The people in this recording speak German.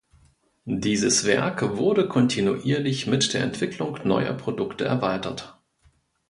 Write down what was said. Dieses Werk wurde kontinuierlich mit der Entwicklung neuer Produkte erweitert.